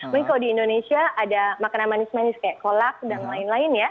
mungkin kalau di indonesia ada makanan manis manis kayak kolak dan lain lain ya